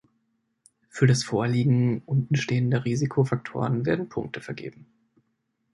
Für das Vorliegen untenstehender Risikofaktoren werden Punkte vergeben.